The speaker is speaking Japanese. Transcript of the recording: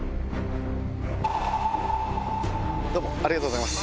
ありがとうございます。